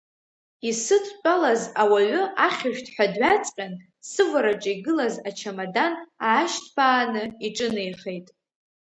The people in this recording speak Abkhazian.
Исыдтәалаз ауаҩы ахьшәҭҳәа дҩаҵҟьан, сывараҿы игылаз ачамадан аашьҭԥааны иҿынеихеит.